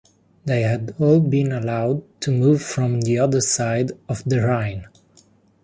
They had been allowed to move from the other side of the Rhine.